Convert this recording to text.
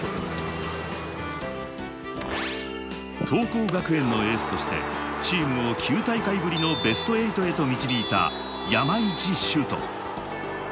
桐光学園のエースとしてチームを９大会ぶりのベスト８へと導いた山市秀翔。